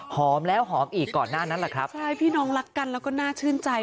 หอมแล้วหอมอีกก่อนหน้านั้นแหละครับใช่พี่น้องรักกันแล้วก็น่าชื่นใจ